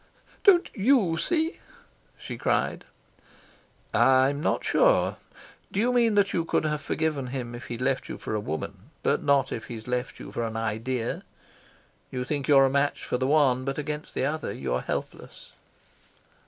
"Don't see?" she cried. "I'm not sure. Do you mean that you could have forgiven him if he'd left you for a woman, but not if he's left you for an idea? You think you're a match for the one, but against the other you're helpless?"